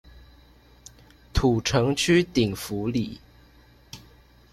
土城區頂福里